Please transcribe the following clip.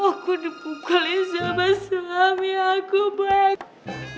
aku dipukulin sama suami aku boy